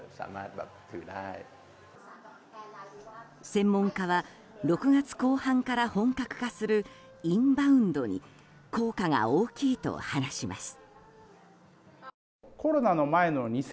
専門家は６月後半から本格化するインバウンドに効果が大きいと話します。